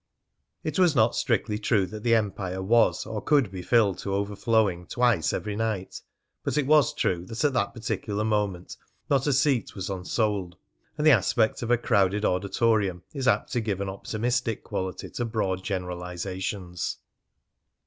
It was not strictly true that the Empire was or could be filled to overflowing twice every night, but it was true that at that particular moment not a seat was unsold; and the aspect of a crowded auditorium is apt to give an optimistic quality to broad generalisations.